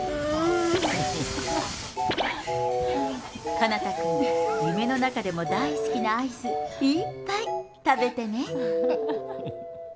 かなたくん、夢の中でも大好きなアイス、いっぱい食べてね。